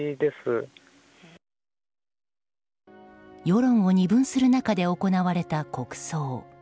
世論を二分する中で行われた国葬。